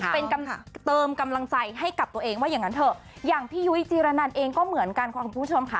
เป็นเติมกำลังใจให้กับตัวเองว่าอย่างนั้นเถอะอย่างพี่ยุ้ยจีรนันเองก็เหมือนกันค่ะคุณผู้ชมค่ะ